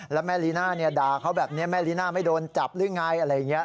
แล้วแม่ลีน่าเนี่ยด่าเขาแบบนี้แม่ลีน่าไม่โดนจับหรือไงอะไรอย่างนี้